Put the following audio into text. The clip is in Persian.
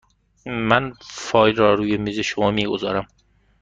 من فایل را روی میز شما می گذارم.